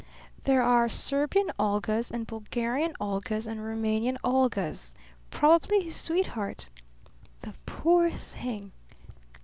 "There are Serbian Olgas and Bulgarian Olgas and Rumanian Olgas. Probably his sweetheart." "The poor thing!"